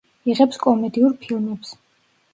იღებს კომედიურ ფილმებს.